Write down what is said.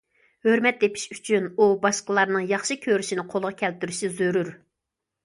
ھۆرمەت تېپىش ئۈچۈن ئۇ باشقىلارنىڭ ياخشى كۆرۈشىنى قولغا كەلتۈرۈشى زۆرۈر.